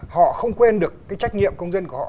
họ không quên được cái trách nhiệm công dân của họ